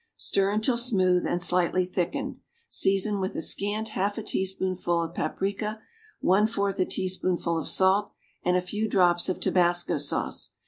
Stir until smooth and slightly thickened; season with a scant half a teaspoonful of paprica, one fourth a teaspoonful of salt and a few drops of tabasco sauce.